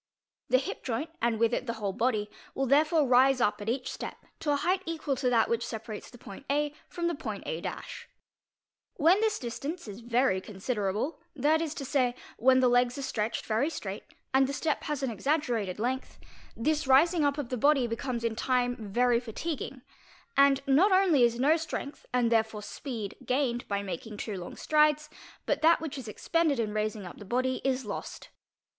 The . hip joint and with it the i _ whole body will therefore rise up at each step to a height _ equal to that which separates the point a from the point a'. When this distance is very _ considerable, that is to say "till it reaches a position much lower than in ordinary walking: that is to Fug. 90. when the legs are stretched very straight and the step has an seg coemca length, this rising up of the body becomes in time very fatiguing, and not _ only is no strength, and therefore speed, gained by making too long strides, but that which is expended in raising up the body is lost.